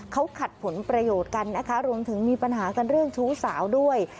เขาขัดผลประโยชน์กันนะคะรวมถึงมีปัญหากันเรื่องชู้สาวด้วย